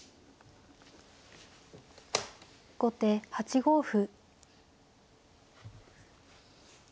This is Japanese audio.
後手８五歩。